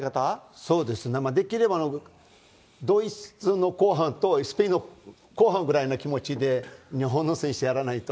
そうですね、できればドイツの後半と、スペインの後半ぐらいな気持ちで、日本の選手、やらないと。